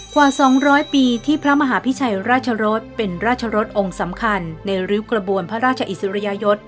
กว่า๒๐๐ปีที่พระมหาพิชัยราชรสเป็นราชรสองค์สำคัญในริ้วกระบวนพระราชอิสริยยศ